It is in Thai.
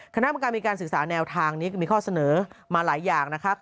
คณะกรรมการมีการศึกษาแนวทางนี้ก็มีข้อเสนอมาหลายอย่างนะครับ